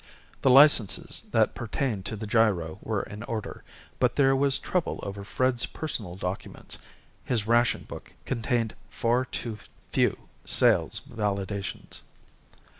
The licenses that pertained to the gyro were in order, but there was trouble over Fred's personal documents: his ration book contained far too few sales validations.